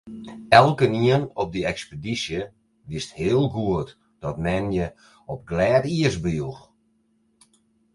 Elkenien op dy ekspedysje wist hiel goed dat men jin op glêd iis bejoech.